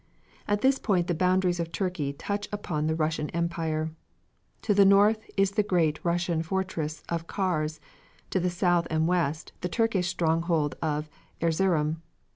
At this point the boundaries of Turkey touch upon the Russian Empire. To the north is the Great Russian fortress of Kars, to the south and west the Turkish stronghold of Erzerum.